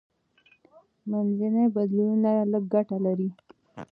منځني بدلونونه لږه ګټه لري.